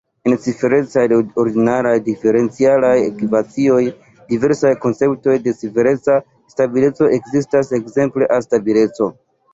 En ciferecaj ordinaraj diferencialaj ekvacioj, diversaj konceptoj de cifereca stabileco ekzistas, ekzemple A-stabileco.